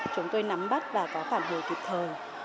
chúng tôi nắm bắt và có phản hồi tuyệt thờ